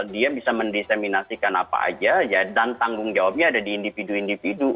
dia bisa mendiseminasikan apa aja dan tanggung jawabnya ada di individu individu